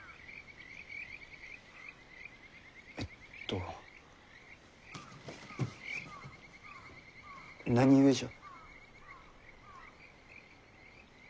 えっと何故じゃ？